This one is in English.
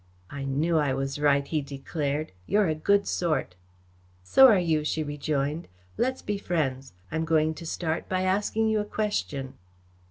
"I knew I was right," he declared. "You're a good sort." "So are you," she rejoined. "Let's be friends. I am going to start by asking you a question."